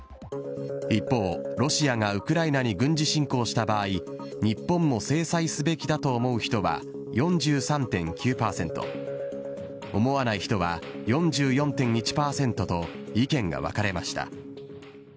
一方、ロシアがウクライナに軍事侵攻した場合、日本も制裁すべきだと思う人は４３．９％、思わない人は４４．１％と、意見が分かれました。